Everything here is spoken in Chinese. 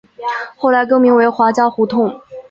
后来更名为华嘉胡同。